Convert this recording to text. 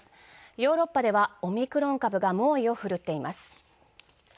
ヨーロッパではオミクロン株が猛威を振るっています。